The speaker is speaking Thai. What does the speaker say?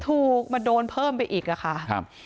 ถูกมาโดนเพิ่มไปอีกนะคะ